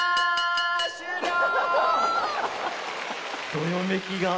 どよめきが。